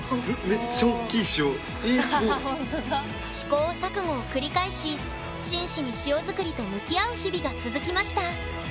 試行錯誤を繰り返し真摯に塩作りと向き合う日々が続きました。